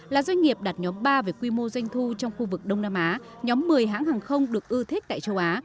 là doanh nghiệp đặt nhóm ba về quy mô doanh thu trong khu vực đông nam á nhóm một mươi hãng hàng không được ưu thích tại châu á